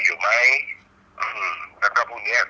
คุณพ่อได้จดหมายมาที่บ้าน